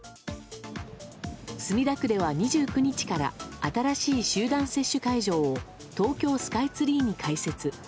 墨田区では２９日から新しい集団接種会場を東京スカイツリーに開設。